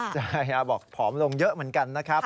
ใช่บอกผอมลงเยอะเหมือนกันนะครับ